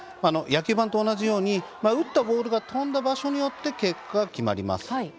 野球盤と同じように打ったボールが飛んだ場所によって結果が決まります。